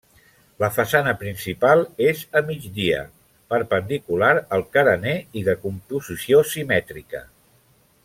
La façana principal és a migdia, perpendicular al carener i de composició simètrica.